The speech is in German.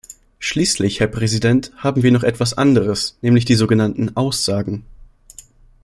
Schließlich, Herr Präsident, haben wir noch etwas anderes, nämlich die so genannten Aussagen.